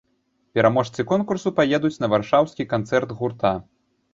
Пераможцы конкурсу паедуць на варшаўскі канцэрт гурта.